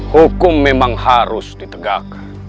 hukum memang harus ditegak